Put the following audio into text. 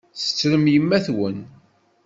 Tettrem yemma-twen?